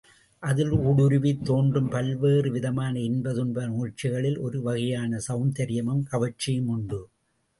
அதில் ஊடுருவித் தோன்றும் பல்வேறு விதமான இன்ப துன்ப உணர்ச்சிகளில் ஒரு வகையான செளந்தரியமும் கவர்ச்சியும் உண்டு.